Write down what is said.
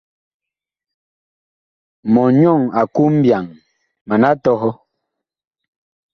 Mɔnyɔŋ a ku mbyaŋ, mana tɔhɔ.